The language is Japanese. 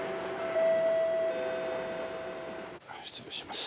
失礼します。